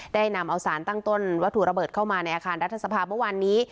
ได้นำเอาสารตั้งต้นวัตถุระเบิดเข้ามาในอาคารรัฐสภาเมื่อวานนี้